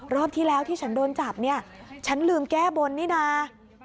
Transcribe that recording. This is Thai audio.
รอบที่แล้วที่ฉันโดนจับเนี่ยฉันลืมแก้บนนี่นะ